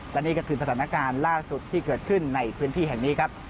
และนี่ก็คือสถานการณ์ล่าสุดที่เกิดขึ้นในพื้นที่แห่งนี้ครับ